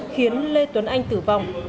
khiến lê tuấn anh tử vong